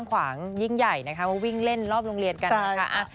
ขวางยิ่งใหญ่วิ่งเล่นรอบโรงเรียนกัน